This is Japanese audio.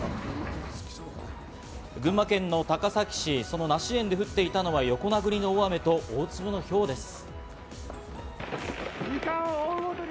群馬県の高崎市、梨園で降っていたのは、横殴りの大雨と大粒のひょうです。